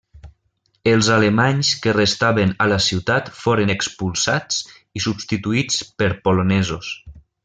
Els alemanys que restaven a la ciutat foren expulsats i substituïts per polonesos.